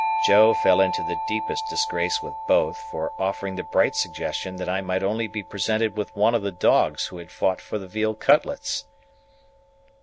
Joe fell into the deepest disgrace with both, for offering the bright suggestion that I might only be presented with one of the dogs who had fought for the veal cutlets.